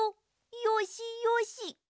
よしよし。